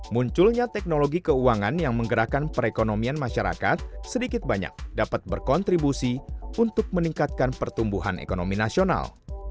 munculnya teknologi keuangan yang menggerakkan perekonomian masyarakat sedikit banyak dapat berkontribusi untuk meningkatkan pertumbuhan ekonomi nasional